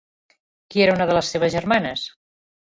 Qui era una de les seves germanes?